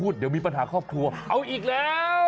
เดี๋ยวมีปัญหาครอบครัวเอาอีกแล้ว